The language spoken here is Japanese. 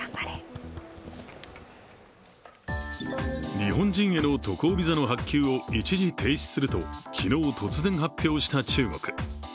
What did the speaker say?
日本人への渡航ビザの発給を一時停止すると昨日、突然発表した中国。